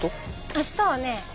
明日はね